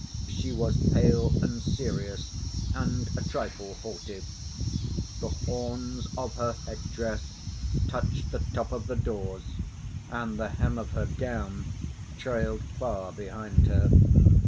She was pale and serious, and a trifle haughty. The horns of her head dress touched the top of the doors and the hem of her gown trailed far behind her.